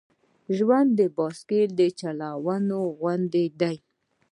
ژوند د بایسکل د چلولو غوندې دی.